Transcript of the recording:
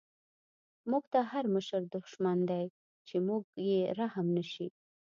موږ ته هر مشر دشمن دی، چی په موږ یې رحم نه شی